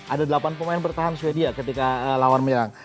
ada delapan pemain bertahan swedia ketika lawan menyerang